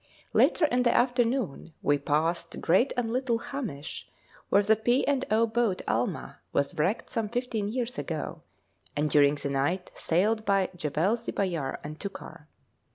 Later in the afternoon we passed Great and Little Hamish, where the P. and O. boat, 'Alma,' was wrecked some fifteen years ago, and during the night sailed by Jebel Zibayar and Tukar.